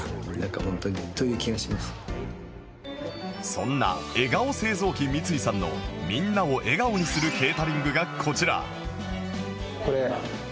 そんな笑顔製造機三井さんのみんなを笑顔にするケータリングがこちら！